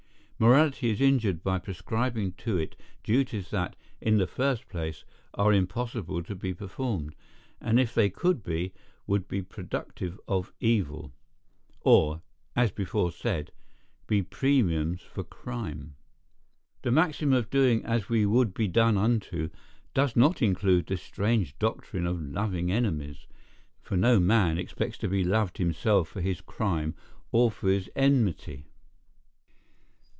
Morality is injured by prescribing to it duties that, in the first place, are impossible to be performed, and if they could be would be productive of evil; or, as before said, be premiums for crime. The maxim of doing as we would be done unto does not include this strange doctrine of loving enemies; for no man expects to be loved himself for his crime or for his enmity.